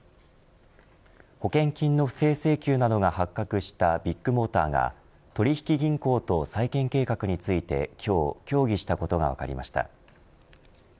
保険金の不正請求などが発覚したビッグモーターが取引銀行と再建計画について今日、協議したことが分かりました。